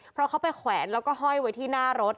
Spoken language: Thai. เพราะเขาไปแขวนแล้วก็ห้อยไว้ที่หน้ารถ